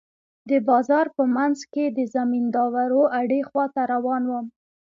د بازار په منځ کښې د زمينداورو اډې خوا ته روان وم.